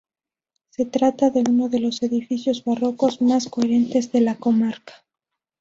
Se trata de uno de los edificios barrocos más coherentes de la comarca.